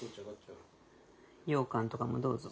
ようかんとかもどうぞ。